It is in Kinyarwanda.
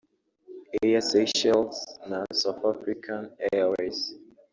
Air Seychelles na South African Airways